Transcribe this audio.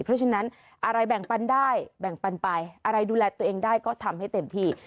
เพราะฉะนั้นอะไรแบ่งปันได้แบ่งปันไปอะไรดูแลตัวเองได้ก็ทำให้เต็มที่